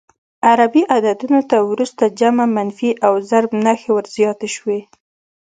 عربي عددونو ته وروسته جمع، منفي او ضرب نښې ور زیاتې شوې.